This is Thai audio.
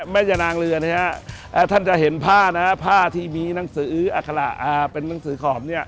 แม่ยะนางเรือท่านจะเห็นผ้าที่มีหนังสืออาคาระเป็นนังสือขอบ